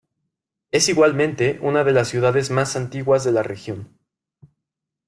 Es igualmente una de las ciudades más antiguas de la región.